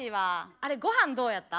あれ御飯どうやった？